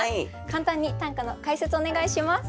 簡単に短歌の解説をお願いします。